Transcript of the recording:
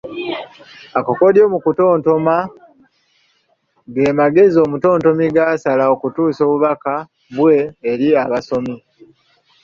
Akakodyo mu kutontoma ge magezi omutontomi g’asala okutuusa obubaka bwe eri abasomi